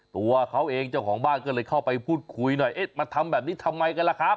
ตัวเขาเองเจ้าของบ้านก็เลยเข้าไปพูดคุยหน่อยเอ๊ะมาทำแบบนี้ทำไมกันล่ะครับ